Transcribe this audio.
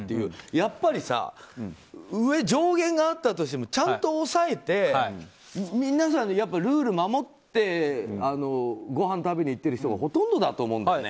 やっぱり上限があったとしてもちゃんと抑えて皆さんでルールを守ってごはん食べに行っている人がほとんどと思うんですよね。